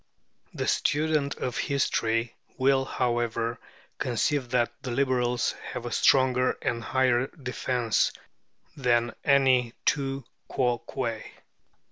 The student of history will, however, conceive that the Liberals have a stronger and higher defence than any tu quoque.